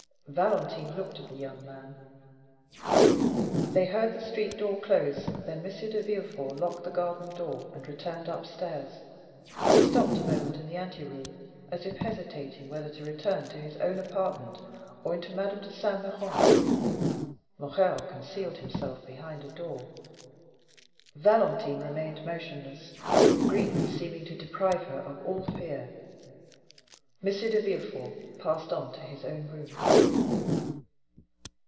Valentine looked at the young man; they heard the street door close, then M. de Villefort locked the garden door, and returned upstairs. He stopped a moment in the anteroom, as if hesitating whether to turn to his own apartment or into Madame de Saint Méran's; Morrel concealed himself behind a door; Valentine remained motionless, grief seeming to deprive her of all fear. M. de Villefort passed on to his own room.